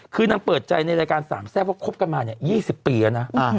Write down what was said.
คือนางเปิดใจในรายการสามแซ่บว่าคบกันมา๒๐ปีแล้วนะ